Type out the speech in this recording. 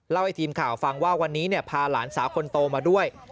ให้ทีมข่าวฟังว่าวันนี้พาหลานสาวคนโตมาด้วย